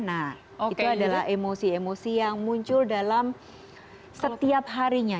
nah itu adalah emosi emosi yang muncul dalam setiap harinya